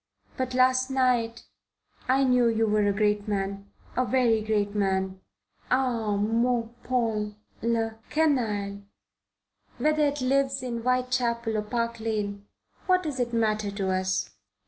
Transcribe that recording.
But last night I knew you were a great man a very great man. Ah, mon Paul. La canaille, whether it lives in Whitechapel or Park Lane, what does it matter to us?"